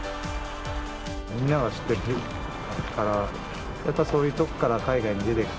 みんなが知ってるから、そういうとこから海外に出ていく。